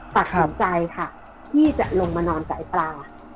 ตัดสินใจค่ะที่จะลงมานอนกับไอ้ปลา